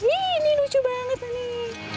ini lucu banget nih